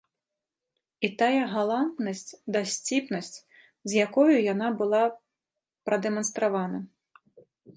І тая галантнасць, дасціпнасць, з якою яна была прадэманстравана.